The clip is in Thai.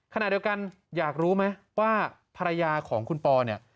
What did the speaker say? ขณะเดียวกันอยากรู้ไหมว่าภรรยาของคุณปอเนี่ย